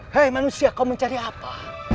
hei manusia kau mencari apa